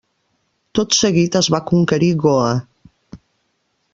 Tot seguit es va conquerir Goa.